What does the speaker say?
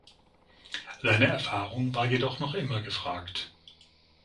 Seine Erfahrung war jedoch noch immer gefragt.